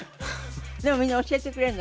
でもみんな教えてくれるの？